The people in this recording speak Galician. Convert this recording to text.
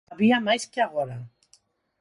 Había máis que agora.